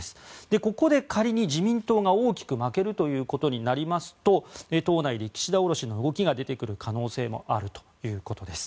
ここで仮に自民党が大きく負けるということになりますと党内で岸田降ろしの動きが出てくる可能性もあるということです。